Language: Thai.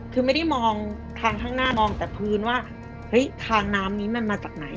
คือไม่ได้มองทางข้างหน้ามองแต่พื้นว่าเฮ้ยทางน้ำนี้มันมาจากไหน